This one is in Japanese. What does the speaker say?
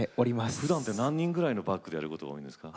ふだんで何人ぐらいのバックでやることが多いんですか？